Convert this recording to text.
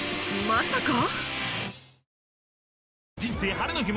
まさか？